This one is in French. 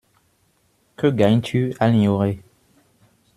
Que gagnes-tu à l’ignorer?